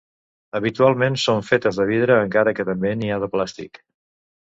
Habitualment són fetes de vidre, encara que també n'hi ha de plàstic.